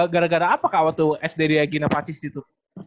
gara gara apa kawah tuh sd regina pachis itu